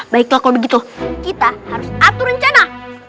baiklah kalau begitu kita harus atur rencana